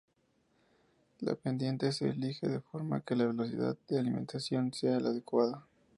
La pendiente se elige de forma que la velocidad de alimentación sea la adecuada.